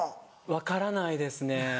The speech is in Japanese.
分からないですね。